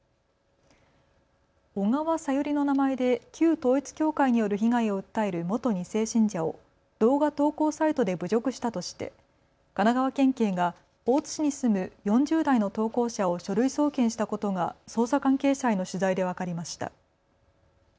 小川さゆりの名前で旧統一教会による被害を訴える元２世信者を動画投稿サイトで侮辱したとして神奈川県警が大津市に住む４０代の投稿者を書類送検したことが捜査関係者への取材で分かりました。